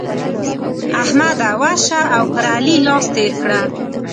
احمده! ورشه او پر علي لاس تېر کړه.